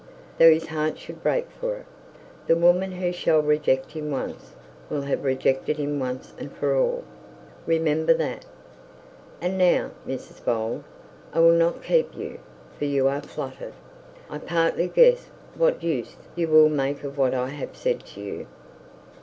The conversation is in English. Though his heart should break for it, the woman who shall reject him once, will have rejected him once and for all. Remember that. And now, Mrs Bold, I will not keep you, for you are flattered. I partly guess what use you will make of what I have said to you.